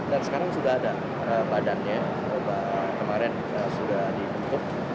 dan sekarang sudah ada badannya kemarin sudah dikutuk